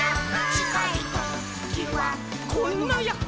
「ちかいときはこんなヤッホ」